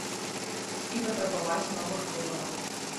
І патрабаваць новых выбараў.